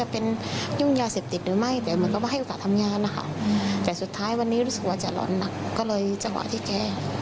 ต้องรู้สึกว่าจะอ่อนหนักก็เลยจักรหวะที่แก้